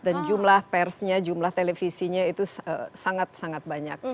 dan jumlah persnya jumlah televisinya itu sangat sangat banyak